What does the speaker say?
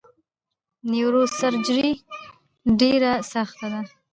نیوروسرجري ډیره سخته ده!